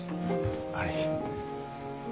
はい。